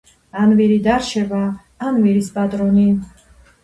ან ვირი დარჩება ან ვირის პატრონი